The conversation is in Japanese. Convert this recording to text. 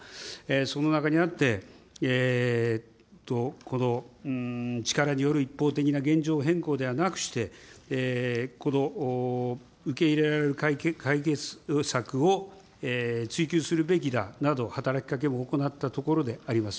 その中にあって、この力による一方的な現状変更ではなくして、受け入れられる解決策を追求するべきだなど、働きかけを行ったところであります。